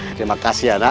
terima kasih ya nak